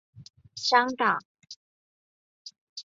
香港培道使用广州培道原版校歌的第三段作为该校校歌。